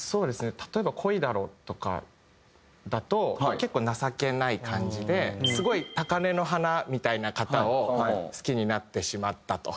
例えば『恋だろ』とかだと結構情けない感じですごい高嶺の花みたいな方を好きになってしまったと。